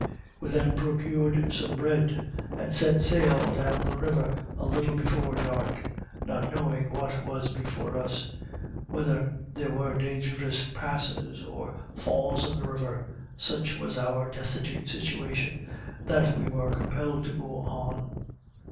We then procured some bread, and set sail down the river a little before dark, not knowing what was before us, whether there were dangerous passes, or falls in the river such was our destitute situation, that we were compelled to go on.